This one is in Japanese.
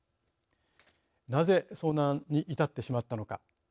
なぜ遭難に至ってしまったのか。